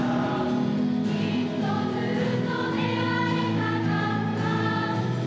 「きっとずっと出会いたかった」